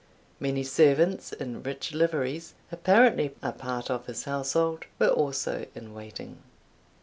Many servants in rich liveries, apparently a part of his household, were also in waiting.